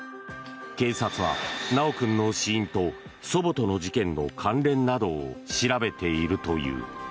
警察は修君の死因と祖母との事件の関連などを調べているという。